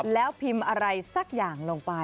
แล้วพิมพ์อะไรสักอย่างลงไป